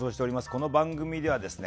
この番組ではですね